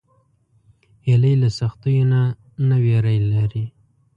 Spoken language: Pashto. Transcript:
هیلۍ له سختیو نه نه ویره لري